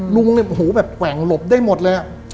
ลุงหูแบบแปลงหลบได้หมดเลย